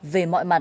về mọi mặt